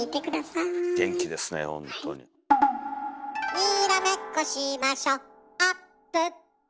「にらめっこしましょあっぷっぷ」